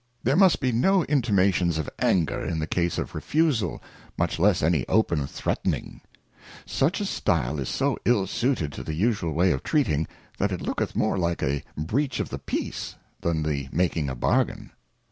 There must be no intimations of Anger in case of refusal, much less any open Threatning, Such a Stile is so ill suited to the usual way of Treating, that it looketh more like a Breach of the Peace, than the making a Bargain.